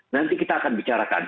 nanti kita akan bicarakan